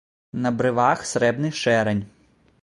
На брывах срэбны шэрань.